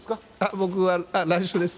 僕は来週です。